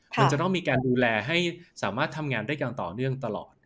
มันจะต้องมีการดูแลให้สามารถทำงานได้อย่างต่อเนื่องตลอด